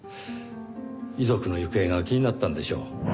遺族の行方が気になったんでしょう。